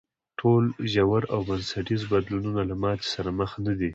ټول ژور او بنسټیز بدلونونه له ماتې سره مخ نه دي.